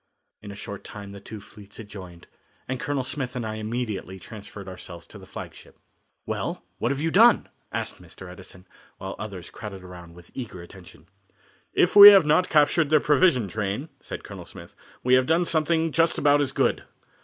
In a short time the two fleets had joined, and Colonel Smith and I immediately transferred ourselves to the flagship. "Well, what have you done?" asked Mr. Edison, while others crowded around with eager attention. "If we have not captured their provision train," said Colonel Smith, "we have done something just about as good.